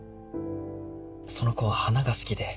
その子は花が好きで。